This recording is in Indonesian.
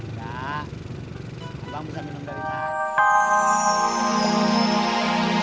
emang kenapa kalau lagi gak puasa